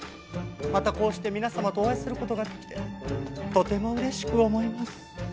またこうして皆様とお会いする事ができてとても嬉しく思います。